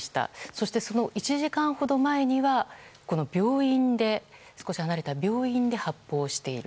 そして、その１時間ほど前には少し離れた病院で発砲している。